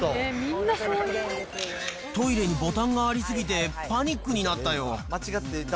トイレにボタンがありすぎて、パニックになったよ。